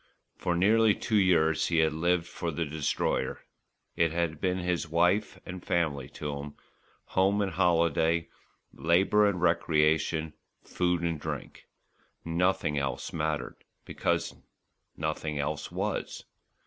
For nearly two years he had lived for the Destroyer. It had been wife and family to him, home and holiday, labour and recreation, food and drink. Nothing else mattered, because nothing else was.